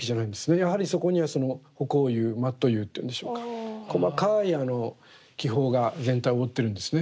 やはりそこには葆光釉マット釉というんでしょうか細かい気泡が全体を覆ってるんですね。